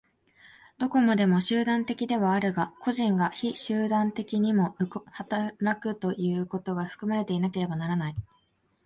どこまでも集団的ではあるが、個人が非集団的にも働くということが含まれていなければならない。